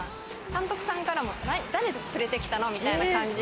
監督さんからも、誰、連れて来たの？みたいな感じ。